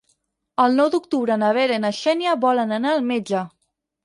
El nou d'octubre na Vera i na Xènia volen anar al metge.